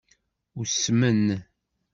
Usmen.